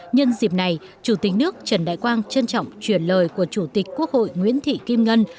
nhân dịp này chủ tịch nước trần đại quang trân trọng chuyển lời của chủ tịch quốc hội nguyễn thị kim ngân